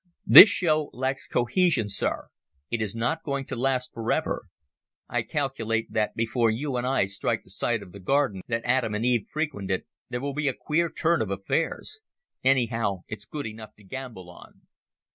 This show lacks cohesion, Sir. It is not going to last for ever. I calculate that before you and I strike the site of the garden that Adam and Eve frequented there will be a queer turn of affairs. Anyhow, it's good enough to gamble on."